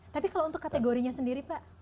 tapi kalau untuk kategorinya sendiri pak